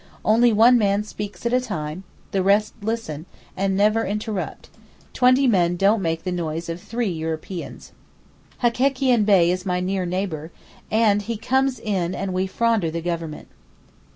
Only one man speaks at a time, the rest listen, and never interrupt; twenty men don't make the noise of three Europeans. Hekekian Bey is my near neighbour, and he comes in and we fronder the Government.